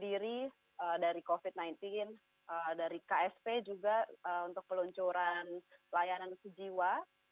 diri dari covid sembilan belas dari ksp juga untuk peluncuran layanan sejiwa